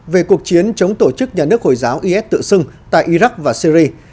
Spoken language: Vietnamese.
về cuộc chiến chống tổ chức nhà nước hồi giáo is tự xưng tại iraq và syri